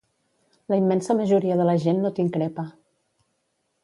La immensa majoria de la gent no t’increpa.